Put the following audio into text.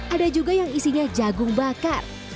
ada juga yang isinya jagung bakar